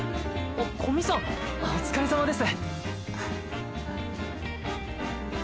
お疲れさまです。